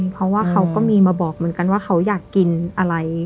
เพราะว่าเขาก็มีมาบอกเหมือนกันว่าเขาอยากกินอะไร